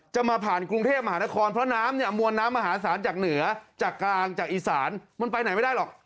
จะมาผ่านกรุงเทพมหานครเพราะน้ำเนี่ยมวลน้ำมหาศาลจากเหนือจากกลางจากอีสานมันไปไหนไม่ได้หรอก